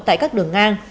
tại các đường ngang